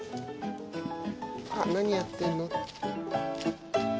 あっ何やってんの？